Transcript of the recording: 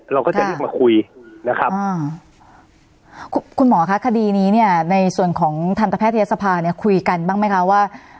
เราก็จะเรียกมาคุยนะครับอ่าคุณคุณหมอคะคดีนี้เนี่ยในส่วนของทันตแพทยศภาเนี่ยคุยกันบ้างไหมคะว่า